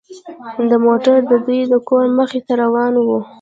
دا موټر د دوی د کور مخې ته روان و